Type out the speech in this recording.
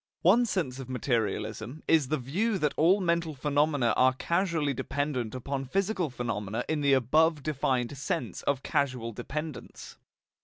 One sense of materialism is the view that all mental phenomena are causally dependent upon physical phenomena in the above defined sense of causal dependence.